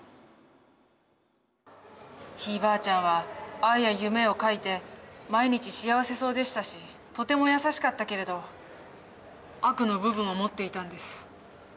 ひいばあちゃんは「愛」や「夢」を書いて毎日幸せそうでしたしとても優しかったけれど悪の部分を持っていたんです。